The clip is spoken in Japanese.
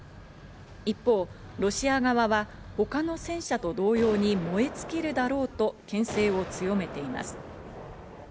一方、ロシア側は他の戦車と同様に燃え尽きるだろうと、けん制を強めています。